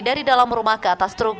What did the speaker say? dari dalam rumah ke atas truk